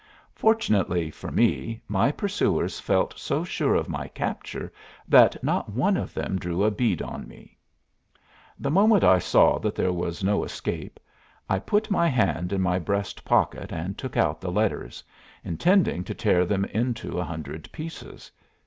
Fortunately for me, my pursuers felt so sure of my capture that not one of them drew a bead on me. The moment I saw that there was no escape, I put my hand in my breast pocket and took out the letters, intending to tear them into a hundred pieces.